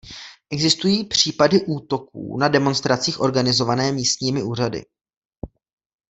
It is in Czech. Existují případy útoků na demonstracích organizované místními úřady.